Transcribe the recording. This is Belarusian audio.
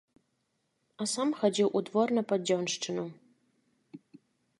А сам хадзіў у двор на падзёншчыну.